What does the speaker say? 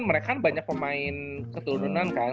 mereka banyak pemain keturunan kan